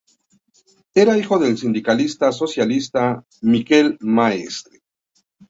Era hijo del sindicalista socialista, Miquel Mestre.